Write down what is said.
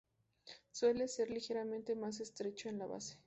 Suele ser ligeramente más estrecho en la base.